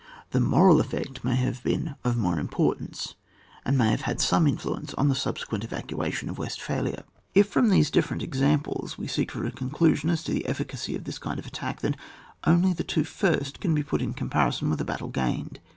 The moral effect may have been of more importance, and may have had some influence on the subsequent evacuation of Westphalia. If from these di£Eerent examples we seek for a conclusion as to the efEcacy of this kind of attack, then only the two first can be put in comparison with a battle gained.